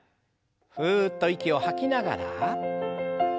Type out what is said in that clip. ふっと息を吐きながら。